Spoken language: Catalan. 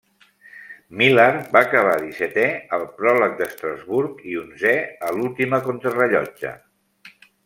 Millar va acabar dissetè al pròleg d'Estrasburg i onzè a l'última contrarellotge.